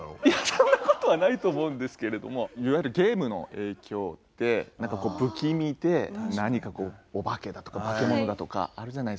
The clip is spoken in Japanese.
そんなことはないと思うんですけれどもいわゆるゲームの影響で何かこう不気味で何かこうお化けだとか化け物だとかあるじゃないですか。